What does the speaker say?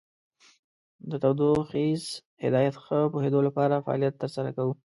د تودوخیز هدایت ښه پوهیدلو لپاره فعالیت تر سره کوو.